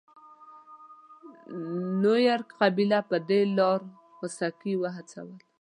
نوير قبیله په دې لار خوسکي وهڅول.